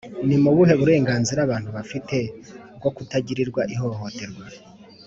Ni ubuhe burenganzira abantu bafite bwo kutagirirwa ihohoterwa